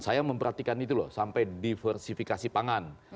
saya memperhatikan itu loh sampai diversifikasi pangan